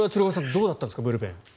どうだったんですか、ブルペン。